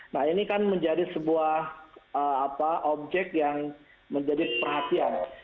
nah ini kan menjadi sebuah objek yang menjadi perhatian